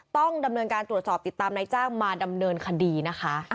ต้องดำเนินการตรวจสอบติดตามนายจ้างมาดำเนินคดีนะคะ